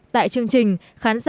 tại chương trình khán giả